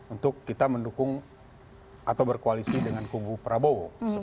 untuk kita mendukung atau berkoalisi dengan kubu prabowo